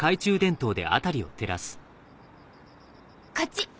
こっち。